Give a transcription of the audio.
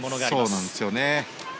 そうなんですよね。